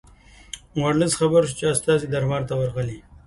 ورلسټ خبر شو چې استازي دربار ته ورغلي.